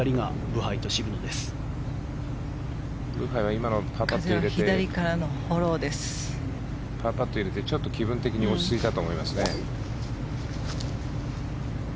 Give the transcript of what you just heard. ブハイは今のパーパットを入れてちょっと気分的に落ち着いたと思いますね。